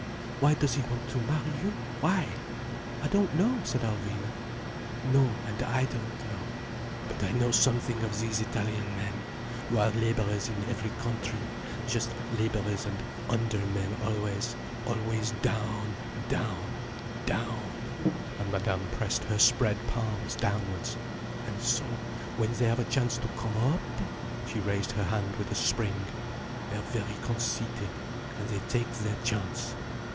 Why does he want to marry you—why?" "I don't know—" said Alvina. "No, and I don't know. But I know something of these Italian men, who are labourers in every country, just labourers and under men always, always down, down, down—" And Madame pressed her spread palms downwards. "And so—when they have a chance to come up—" she raised her hand with a spring—"they are very conceited, and they take their chance.